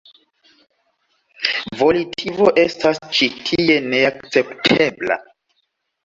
Volitivo estas ĉi tie neakceptebla.